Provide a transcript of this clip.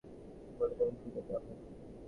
একেই বলে যেমন কুকুর তেমন মুগুর।